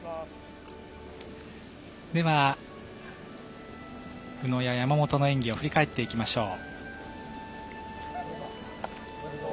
では、宇野や山本の演技を振り返っていきましょう。